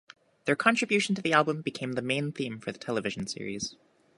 Their contribution to the album became the main theme for the television series.